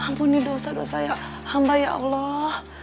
ampuni dosa dosa ya hamba ya allah